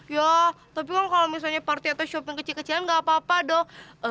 ya tapi kan kalo misalnya party atau shopping kecil kecilan gak apa apa dong